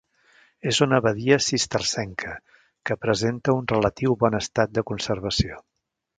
És una abadia cistercenca, que presenta un relatiu bon estat de conservació.